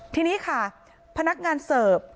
ทีนี้ค่ะพนักงานเสิร์ฟ